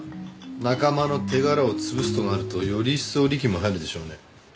仲間の手柄を潰すとなるとより一層力も入るでしょうね。